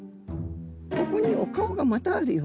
ここにお顔がまたあるよ。